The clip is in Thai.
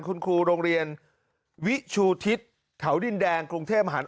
คุณครูโรงเรียนวิชูทิศแถวดินแดงกรุงเทพหัน